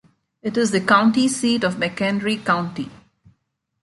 It is the county seat of McHenry County.